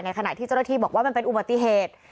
ขณะที่เจ้าหน้าที่บอกว่ามันเป็นอุบัติเหตุ